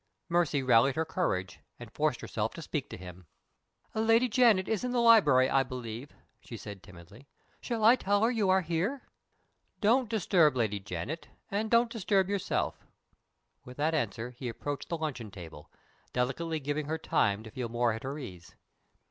Mercy rallied her courage, and forced herself to speak to him. "Lady Janet is in the library, I believe," she said, timidly. "Shall I tell her you are here?" "Don't disturb Lady Janet, and don't disturb yourself." With that answer he approached the luncheon table, delicately giving her time to feel more at her ease.